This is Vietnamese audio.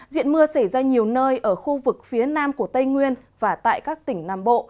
diện mưa xảy ra nhiều nơi ở khu vực phía nam của tây nguyên và tại các tỉnh nam bộ